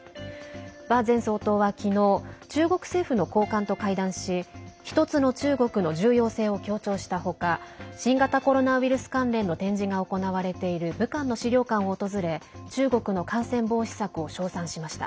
馬前総統は昨日中国政府の高官と会談し一つの中国の重要性を強調した他新型コロナウイルス関連の展示が行われている武漢の資料館を訪れ中国の感染防止策を称賛しました。